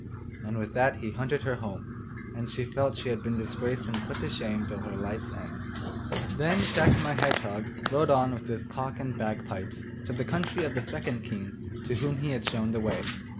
And with that he hunted her home, and she felt she had been disgraced and put to shame till her life's end. Then Jack my Hedgehog rode on with his cock and bagpipes to the country of the second King to whom he had shown the way.